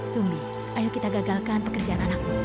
zumi ayo kita gagalkan pekerjaan anakmu